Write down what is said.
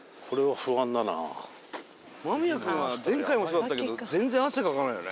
間宮君は前回もそうだったけど全然汗かかないよね。